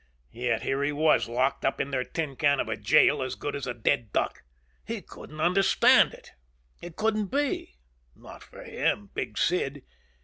Yet here he was locked up in their tin can of a jail, as good as a dead duck. He couldn't understand it. It couldn't be. Not for him, Big Sid.